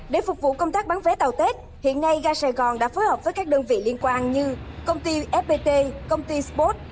để phục vụ công tác bán vé tàu tết hiện nay gà sài gòn đã phối hợp với các đơn vị liên quan như công ty fpt công ty spot